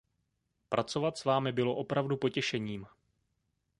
Pracovat s vámi bylo opravdu potěšením.